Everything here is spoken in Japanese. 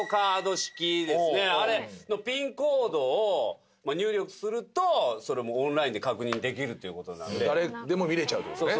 あれのＰＩＮコードを入力するとそれもオンラインで確認できるということなんで誰でも見れちゃうってことね